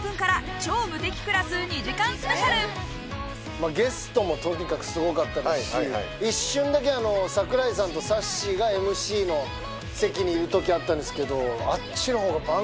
さらにゲストもとにかくすごかったですし一瞬だけ櫻井さんとさっしーがＭＣ席にいる時あったんですけどあっちのほうが。